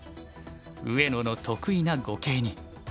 上野の得意な碁形に。